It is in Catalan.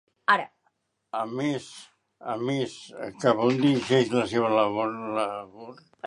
A més, cap a on dirigí la seva labor?